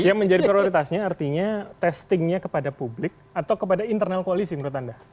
yang menjadi prioritasnya artinya testingnya kepada publik atau kepada internal koalisi menurut anda